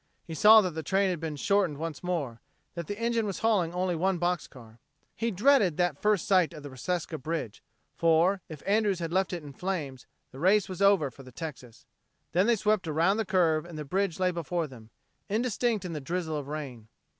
He saw that the train had been shortened once more, that the engine was hauling only one box car. He dreaded that first sight of the Reseca bridge, for, if Andrews had left it in flames, the race was over for the Texas. Then they swept around the curve and the bridge lay before them, indistinct in the drizzle of rain.